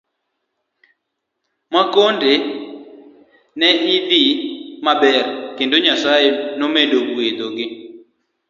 Makonde ne dhi maber kendo Nyasaye nomedo gwetho gi.